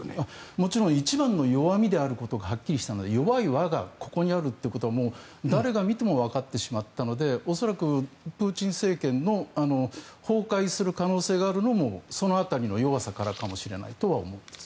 もちろん一番の弱みであることがはっきりしたので弱い環がここにあるということが誰が見てもはっきりしたので恐らくプーチン政権も崩壊する可能性があるのもその辺りの弱さからかもしれないとは思っています。